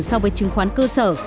so với trứng khoán cơ sở